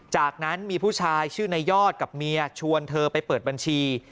จากนั้นมีผู้ชายชื่อนายยอดกับเมียชวนเธอไปเปิดบัญชี